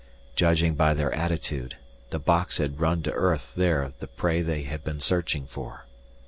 Judging by their attitude, the box had run to earth there the prey they had been searching for.